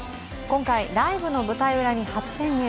今回、ライブの舞台裏に初潜入。